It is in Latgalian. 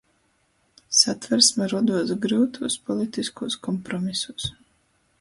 Satversme roduos gryutūs politiskūs kompromisūs,